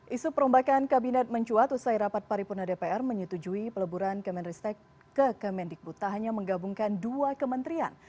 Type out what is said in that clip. isu perombakan kabinet mencuat usai rapat paripurna dpr menyetujui peleburan kemenristek ke kemendikbud tak hanya menggabungkan dua kementerian